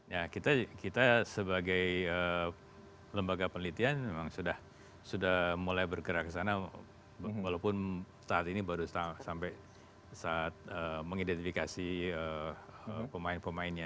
ya kita sebagai lembaga penelitian memang sudah mulai bergerak ke sana walaupun saat ini baru sampai saat mengidentifikasi pemain pemainnya